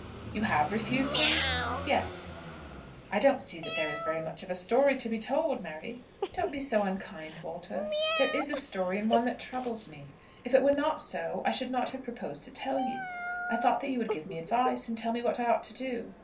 "You have refused him?" "Yes." "I don't see that there is very much of a story to be told, Mary." "Don't be so unkind, Walter. There is a story, and one that troubles me. If it were not so I should not have proposed to tell you. I thought that you would give me advice, and tell me what I ought to do."